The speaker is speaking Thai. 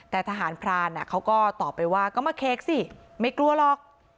แต่ทหารพรานเขาก็ตอบไปว่าก็มาเค้กสิไม่กลัวหรอก